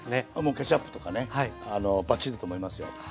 ケチャップとかねバッチリだと思いますよ。